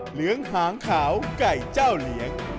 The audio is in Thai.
เหลืองหางขาวไก่เจ้าเลี้ยง